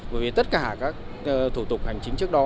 bởi vì tất cả các thủ tục hành chính trước đó